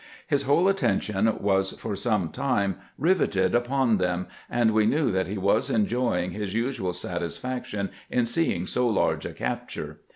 His whole attention was for some time riveted upon them, and we knew that he was enjoying his usual satisfaction in seeing so large a capture.